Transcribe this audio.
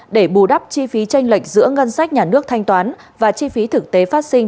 để bù đắp chi phí tranh lệch giữa ngân sách nhà nước thanh toán và chi phí thực tế phát sinh